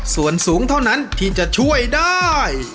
ส่วนสูงเท่านั้นที่จะช่วยได้